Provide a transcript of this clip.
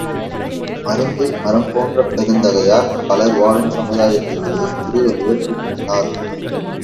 மருந்து மரம் போன்ற பெருந்தகையார் பலர் வாழும் சமுதாயத்தையே திருவள்ளுவர் விரும்பினார்.